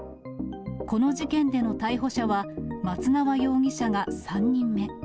この事件での逮捕者は、松縄容疑者が３人目。